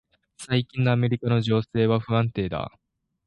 最近のアメリカの情勢は不安定だ。